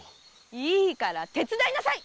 いいから手伝いなさい！